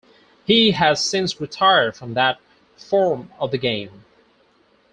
He has since retired from that form of the game.